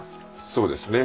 そうですね。